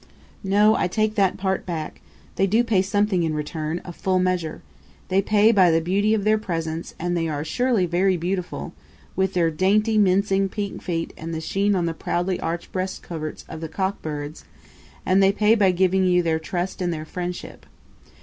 No; I take that part back they do pay something in return; a full measure. They pay by the beauty of their presence, and they are surely very beautiful, with their dainty mincing pink feet and the sheen on the proudly arched breast coverts of the cock birds; and they pay by giving you their trust and their friendship.